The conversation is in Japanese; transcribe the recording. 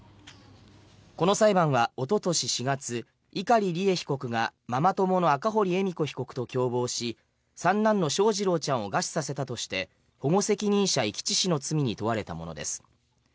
この裁判はおととし４月碇利恵被告がママ友の赤堀恵美子被告と共謀し三男の翔士郎ちゃんを餓死させたとして保護責任者遺棄致死の罪に問われたものです。